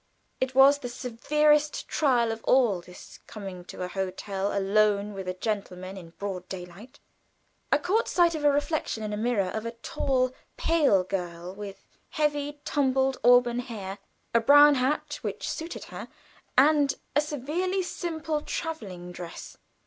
It was the severest trial of all, this coming to a hotel alone with a gentleman in broad daylight. I caught sight of a reflection in a mirror of a tall, pale girl, with heavy, tumbled auburn hair, a brown hat which suited her, and a severely simple traveling dress.